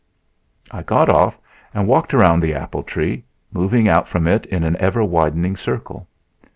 "I got off and walked around the apple tree, moving out from it in an ever widening circle.